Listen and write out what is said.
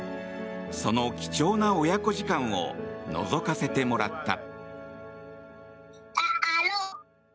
その貴重な親子時間をのぞかせてもらった。